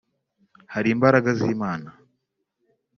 hari imbaraga z'Imana